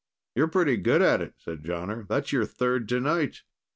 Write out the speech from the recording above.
"You're pretty good at it," said Jonner. "That's your third tonight."